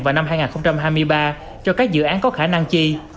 vào năm hai nghìn hai mươi ba cho các dự án có khả năng chi